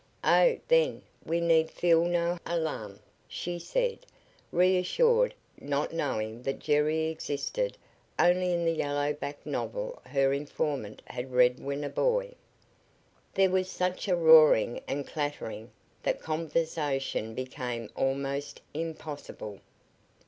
"Oh, then we need feel no alarm," she said, reassured, not knowing that Jerry existed only in the yellow backed novel her informant had read when a boy. There was such a roaring and clattering that conversation became almost impossible.